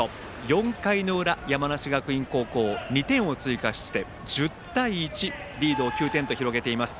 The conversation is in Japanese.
４回の裏、山梨学院高校２点を追加して１０対１リードを９点と広げています。